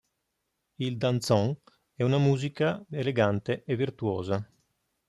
Il danzón è una musica elegante e virtuosa.